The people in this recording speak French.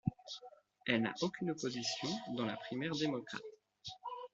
Elle n'a aucune opposition dans la primaire démocrate.